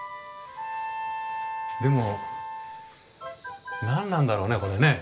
でも何なんだろうねこれね。